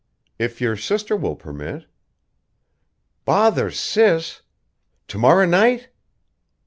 "If your sister will permit " "Bother Sis! To morrow night?"